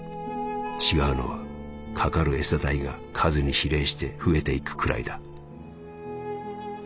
違うのはかかる餌代が数に比例して増えていくくらいだ。